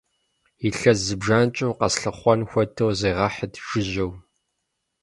Илъэс зыбжанэкӏэ укъэслъыхъуэн хуэдэу зегъэхьыт жыжьэу!